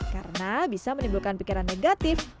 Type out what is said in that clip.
karena bisa menimbulkan pikiran negatif